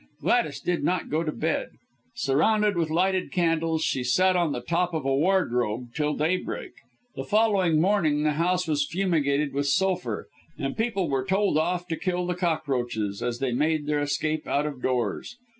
Gladys did not go to bed: surrounded with lighted candles, she sat on the top of a wardrobe till daybreak. The following morning the house was fumigated with sulphur; and people were told off to kill the cockroaches, as they made their escape out of doors.